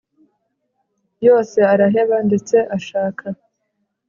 yose araheba ndetse ashaka